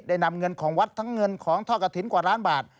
นำเงินของวัดทั้งเงินของท่อกระถิ่นกว่าล้านบาท